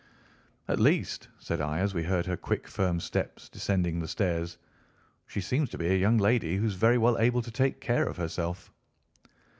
"At least," said I as we heard her quick, firm steps descending the stairs, "she seems to be a young lady who is very well able to take care of herself."